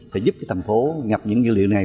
sẽ giúp thành phố nhập những dữ liệu này